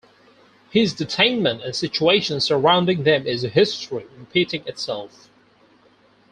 His detainment and situations surrounding them is history repeating itself.